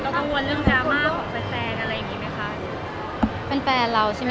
แล้วกับเรื่องจามาของแฟนแฟนอะไรอย่างนี้ไหมคะ